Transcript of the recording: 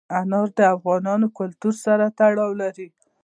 انار د افغان کلتور سره تړاو لري.